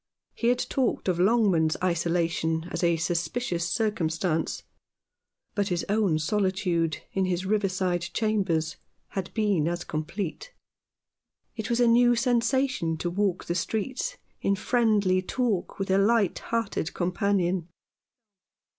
He had talked of Longman's isolation as a suspicious circumstance, but his own solitude in his riverside chambers had been as complete. It was a new sensation to walk the streets in friendly talk with a light hearted companion.